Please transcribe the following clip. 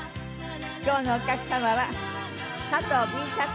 今日のお客様は佐藤Ｂ作さん